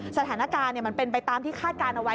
สถานการณ์มันเป็นไปตามที่คาดการณ์เอาไว้